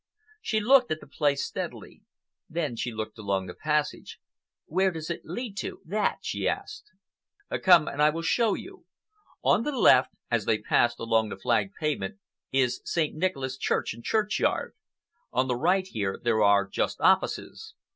She looked at the place steadily. Then she looked along the passage. "Where does it lead to—that?" she asked. "Come and I will show you. On the left"—as they passed along the flagged pavement—"is St. Nicholas Church and churchyard. On the right here there are just offices.